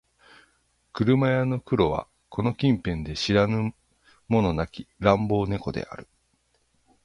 車屋の黒はこの近辺で知らぬ者なき乱暴猫である